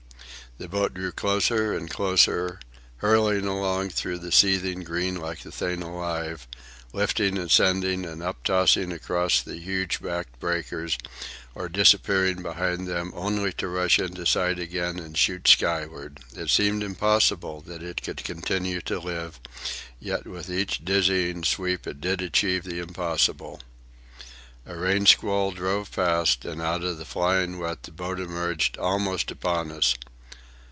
The boat drew closer and closer, hurling along through the seething green like a thing alive, lifting and sending and uptossing across the huge backed breakers, or disappearing behind them only to rush into sight again and shoot skyward. It seemed impossible that it could continue to live, yet with each dizzying sweep it did achieve the impossible. A rain squall drove past, and out of the flying wet the boat emerged, almost upon us.